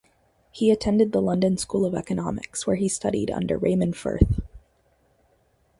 He attended the London School of Economics where he studied under Raymond Firth.